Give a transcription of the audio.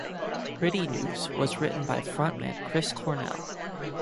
"Pretty Noose" was written by frontman Chris Cornell.